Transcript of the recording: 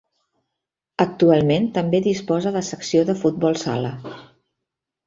Actualment també disposa de secció de futbol sala.